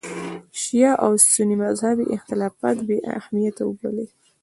شیعه او سني مذهبي اختلافات بې اهمیته وبولي.